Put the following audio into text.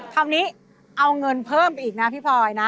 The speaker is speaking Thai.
คำนี้เอาเงินเพิ่มไปอีกนะพี่พลอยนะ